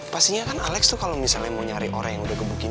pastinya kan alex tuh kalo misalnya mau nyari orang yang udah gebuk gini kan